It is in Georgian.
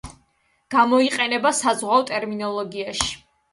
გამოიყენება საზღვაო ტერმინოლოგიაში.